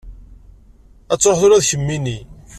Ad truḥeḍ ula d kemmini.